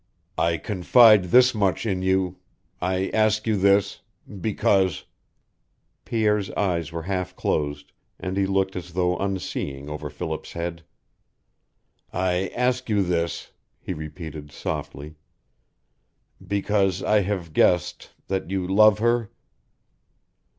I confide this much in you I ask you this because " Pierre's eyes were half closed, and he looked as though unseeing over Philip's head. "I ask you this," he repeated, softly, "because I have guessed that you love her."